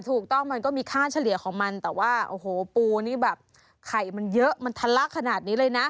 ถูกต้องมันก็มีค่าเฉลี่ยของมันแต่ว่าโอ้โหปูนี่แบบไข่มันเยอะมันทะลักขนาดนี้เลยนะ